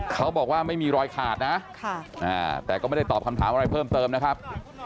เขาบอกว่าไม่มีรอยขาดนะแต่ก็ไม่ได้ตอบคำถามอะไรเพิ่มเติมนะครับ